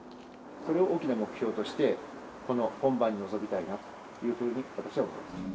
それを大きな目標として、この本番に臨みたいなっていうふうに、私は思います。